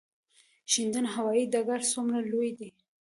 شینډنډ هوايي ډګر څومره لوی دی؟